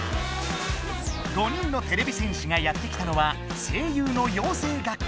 ５人のてれび戦士がやって来たのは声優のようせい学校。